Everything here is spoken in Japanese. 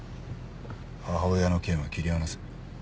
母親の件は切り離せ。